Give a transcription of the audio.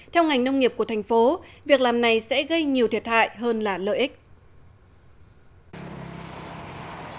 theo ngành nông nghiệp của thành phố việc làm này sẽ gây nhiều thiệt hại hơn là lợi ích